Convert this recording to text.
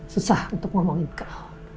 susah untuk ngomongin ke